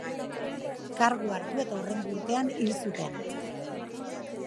Kargua hartu eta hurrengo urtean hil zuten.